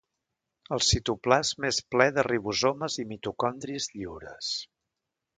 El citoplasma és ple de ribosomes i mitocondris lliures.